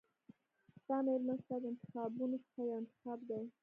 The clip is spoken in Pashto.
ستا مېرمن ستا د انتخابونو څخه یو انتخاب دی.